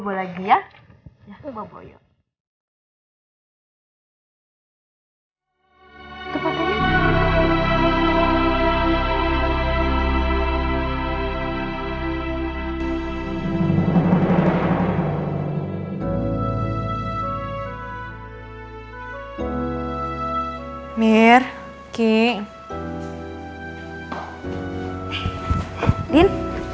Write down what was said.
alhamdulillah dia sehat